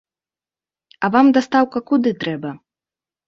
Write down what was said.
А вам дастаўка куды трэба?